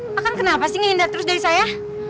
kang kang kenapa sih ngeindah terus dari saya